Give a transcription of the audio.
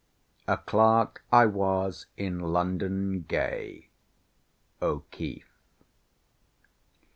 A Clerk I was in London gay. O'KEEFE.